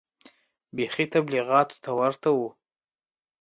بيخي تبليغيانو ته ورته و.